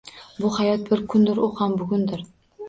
Bu hayot bir kundur u ham bugundir.